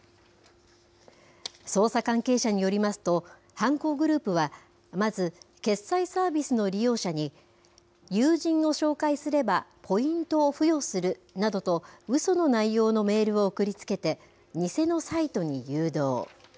捜査関係者によりますと、犯行グループはまず決済サービスの利用者に、友人を紹介すればポイントを付与するなどとうその内容のメールを送りつけて、偽のサイトに誘導。